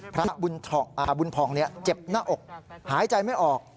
พระบุญผ่องเจ็บหน้าอกหายใจไม่ออก